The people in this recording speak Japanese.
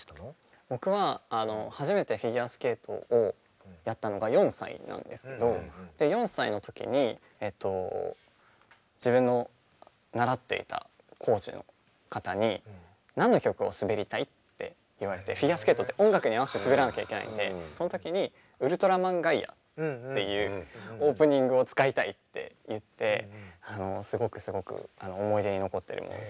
僕は初めてフィギュアスケートをやったのが４歳なんですけど４歳の時に自分の習っていたコーチの方に「何の曲を滑りたい？」って言われてフィギュアスケートって音楽に合わせて滑らなきゃいけないんでその時に「ウルトラマンガイア」っていうオープニングを使いたいって言ってすごくすごく思い出に残ってるものです。